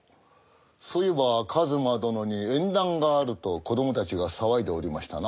そういえば一馬殿に縁談があると子どもたちが騒いでおりましたな。